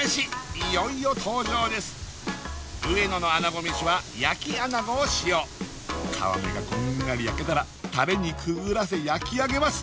いよいよ登場ですうえののあなごめしは焼きあなごを使用皮目がこんがり焼けたらタレにくぐらせ焼き上げます